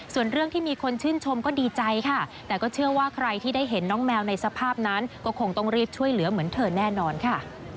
ส่วนเรื่องที่มีคนชื่นชมก็ดีใจค่ะแต่ก็เชื่อว่าใครที่ได้เห็นน้องแมวในสภาพนั้นก็คงต้องรีบช่วยเหลือเหมือนเธอแน่นอนค่ะ